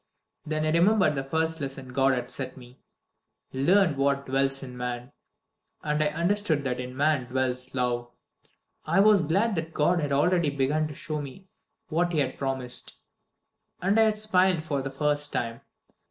"Then I remembered the first lesson God had set me: 'Learn what dwells in man.' And I understood that in man dwells Love! I was glad that God had already begun to show me what He had promised, and I smiled for the first time.